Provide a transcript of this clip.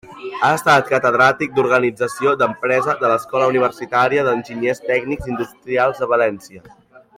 Ha estat catedràtic d'Organització d'Empresa de l'Escola Universitària d'Enginyers Tècnics Industrials de València.